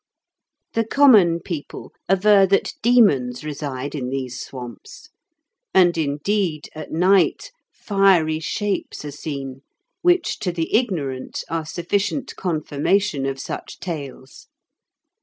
The common people aver that demons reside in these swamps; and, indeed, at night fiery shapes are seen, which, to the ignorant, are sufficient confirmation of such tales.